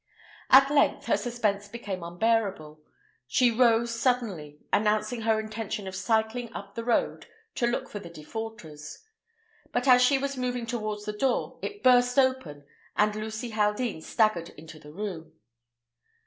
At length her suspense became unbearable; she rose suddenly, announcing her intention of cycling up the road to look for the defaulters, but as she was moving towards the door, it burst open, and Lucy Haldean staggered into the room.